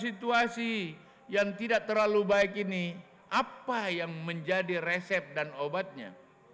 situasi yang tidak terlalu baik ini apa yang menjadi resep dan obatnya